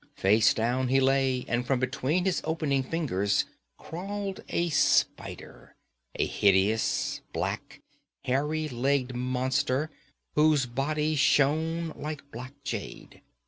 Face down he lay, and from between his opening fingers crawled a spider a hideous, black, hairy legged monster whose body shone like black jade.